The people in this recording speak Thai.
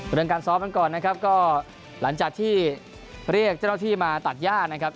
เรื่องการซ้อมกันก่อนนะครับก็หลังจากที่เรียกเจ้าหน้าที่มาตัดย่านะครับ